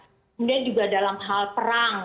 kemudian juga dalam hal perang